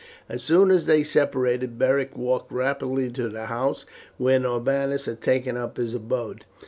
As soon as they separated Beric walked rapidly to the house where Norbanus had taken up his abode.